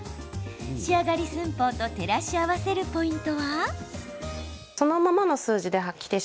仕上がり寸法と照らし合わせるポイントは。